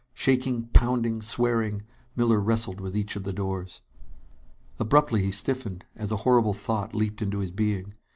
Shaking, pounding, swearing, Miller wrestled with each of the doors. Abruptly he stiffened, as a horrible thought leaped into his being.